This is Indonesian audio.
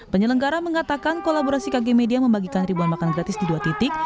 penyelenggara mengatakan kolaborasi kg media membagikan ribuan makanan gratis di dua titik